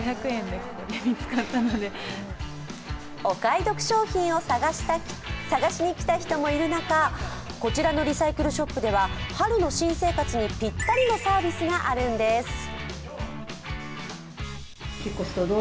お買い得商品を探しに来た人もいる中こちらのリサイクルショップでは春の新生活にぴったりのサービスがあるんです。